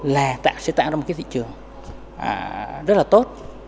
là sẽ tạo ra một cái thị trường rất là tốt